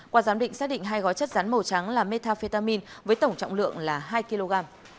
qua giám định xác định hai gói chất rắn màu trắng là metafetamin với tổng trọng lượng là hai kg